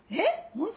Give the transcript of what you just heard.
本当？